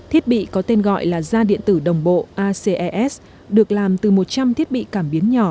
thiết bị có tên gọi là da điện tử đồng bộ aces được làm từ một trăm linh thiết bị cảm biến nhỏ